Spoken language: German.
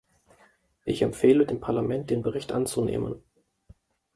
Ich empfehle dem Parlament, den Bericht anzunehmen.